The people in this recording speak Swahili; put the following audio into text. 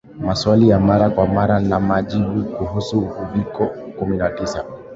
Maswali ya Mara kwa Mara na Majibu kuhusu Uviko kumi na tisa